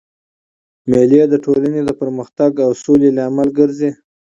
مېلې د ټولني د پرمختګ او سولي لامل ګرځي.